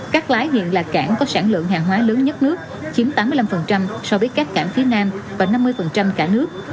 cát lái hiện là cảng có sản lượng hàng hóa lớn nhất nước chiếm tám mươi năm so với các cảng phía nam và năm mươi cả nước